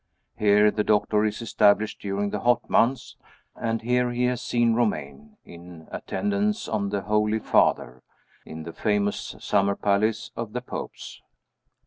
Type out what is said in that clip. Here the doctor is established during the hot months and here he has seen Romayne, in attendance on the "Holy Father," in the famous summer palace of the Popes.